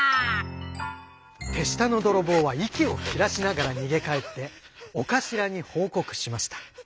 てしたのどろぼうはいきをきらしながらにげかえっておかしらにほうこくしました。